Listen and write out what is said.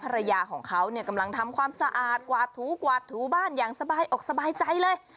ภรรยาของเขาเนี่ยกำลังทำความสะอาดกวาดถูกวาดถูบ้านอย่างสบายอกสบายใจเลย